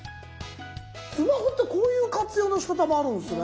スマホってこういう活用のしかたもあるんすね。